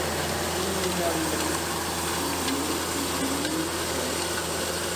Inyinə man ǐ yeaŋ ibini kaɛ.